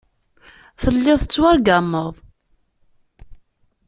Telliḍ tettwargameḍ.